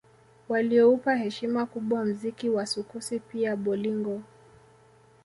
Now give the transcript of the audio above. Walioupa heshima kubwa mziki wa sukusi pia bolingo